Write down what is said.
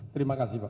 terima kasih pak